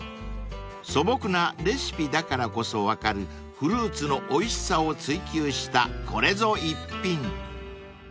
［素朴なレシピだからこそ分かるフルーツのおいしさを追求したこれぞ逸品］